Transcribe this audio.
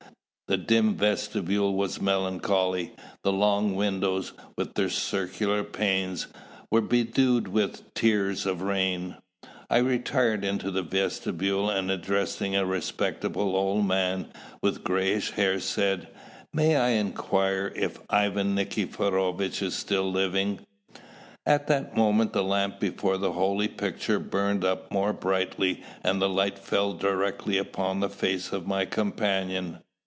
The dim vestibule was melancholy; the long windows, with their circular panes, were bedewed with tears of rain. I retired into the vestibule, and addressing a respectable old man, with greyish hair, said, "May I inquire if Ivan Nikiforovitch is still living?" At that moment the lamp before the holy picture burned up more brightly and the light fell directly upon the face of my companion.